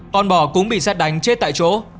con bò cũng bị xét đánh chết tại chỗ